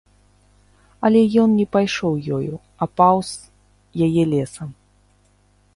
Але ён не пайшоў ёю, а паўз яе лесам.